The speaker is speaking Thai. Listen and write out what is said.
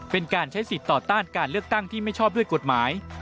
เป็นการใช้สิทธิ์ต่อต้านการเลือกตั้งที่ไม่ชอบด้วยกฎหมาย